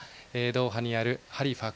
ドーハにあるハリファ